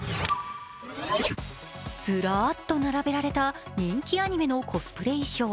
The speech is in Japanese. ずらっと並べられた人気アニメのコスプレ衣装。